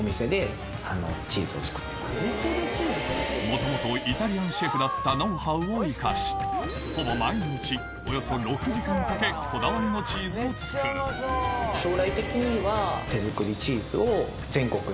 元々イタリアンシェフだったノウハウを生かしほぼ毎日およそ６時間かけこだわりのチーズを作るなっていう展望はあります。